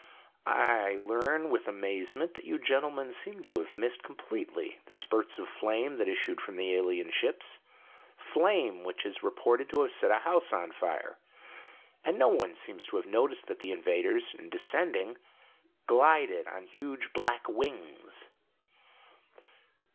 I learn with amazement that you gentlemen seem to have missed completely the spurts of flame that issued from the alien ships flame which is reported to have set a house on fire. And no one seems to have noticed that the invaders, in descending, glided on huge black wings."